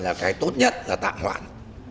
là cái tốt nhất là tạm hoạn